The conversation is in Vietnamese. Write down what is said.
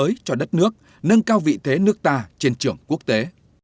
đổi mới cho đất nước nâng cao vị thế nước ta trên trường quốc tế